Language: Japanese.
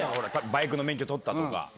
バイクの免許取った！とか？